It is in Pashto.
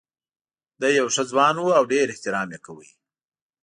دی یو ښه ځوان و او ډېر احترام یې کاوه.